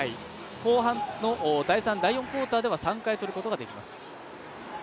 後半の第３、第４クオーターでは３回とることができます。